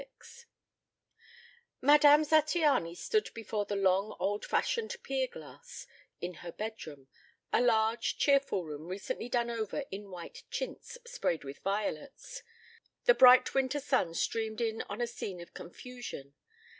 XXVI Madame Zattiany stood before the long old fashioned pier glass in her bedroom, a large cheerful room recently done over in white chintz sprayed with violets. The bright winter sun streamed in on a scene of confusion.